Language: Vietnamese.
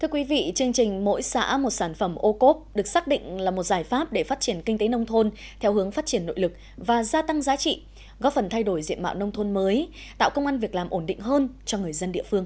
chương trình mỗi xã một sản phẩm ô cốp được xác định là một giải pháp để phát triển kinh tế nông thôn theo hướng phát triển nội lực và gia tăng giá trị góp phần thay đổi diện mạo nông thôn mới tạo công an việc làm ổn định hơn cho người dân địa phương